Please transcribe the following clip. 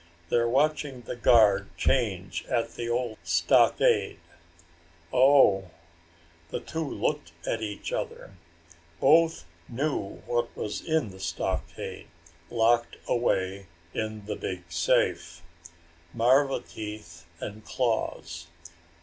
"They're watching the guard change at the old stockade." "Oh." The two looked at each other. Both knew what was in the stockade, locked away in the big safe. Marva teeth and claws.